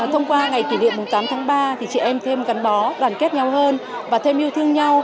thông qua ngày kỷ niệm tám tháng ba chị em thêm gắn bó đoàn kết nhau hơn và thêm yêu thương nhau